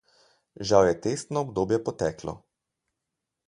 Žal je testno obdobje poteklo.